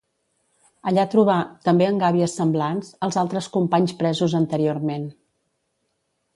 Allà trobà, també en gàbies semblants, els altres companys presos anteriorment.